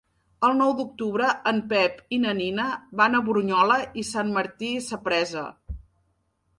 El nou d'octubre en Pep i na Nina van a Brunyola i Sant Martí Sapresa.